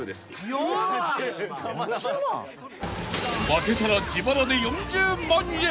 ［負けたら自腹で４０万円］